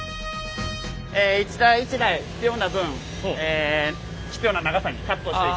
一台一台必要な分必要な長さにカットしていきます。